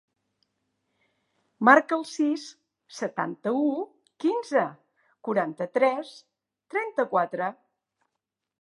Marca el sis, setanta-u, quinze, quaranta-tres, trenta-quatre.